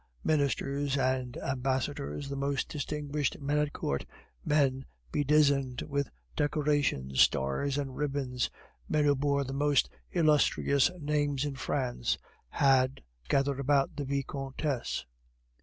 Ministers and ambassadors, the most distinguished men at court, men bedizened with decorations, stars, and ribbons, men who bore the most illustrious names in France, had gathered about the Vicomtesse.